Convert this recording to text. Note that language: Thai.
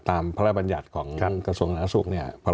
ตามพระบัญญัติของกระทรวงศาสตร์ศักดิ์ศูกร์